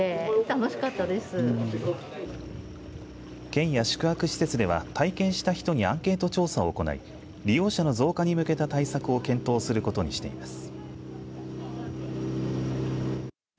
県や宿泊施設では体験した人にアンケート調査を行い利用者の増加に向けた対策を検討することにしています。